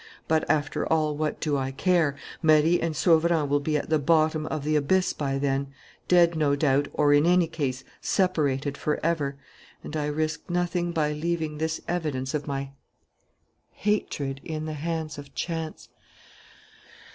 But, after all, what do I care? Marie and Sauverand will be at the bottom of the abyss by then, dead no doubt, or in any case separated forever. And I risk nothing by leaving this evidence of my hatred in the hands of chance.